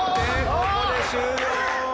ここで終了！